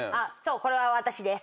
これは私です。